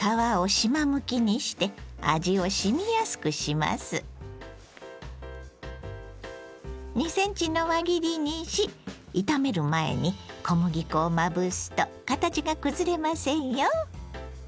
なすは２ｃｍの輪切りにし炒める前に小麦粉をまぶすと形が崩れませんよ。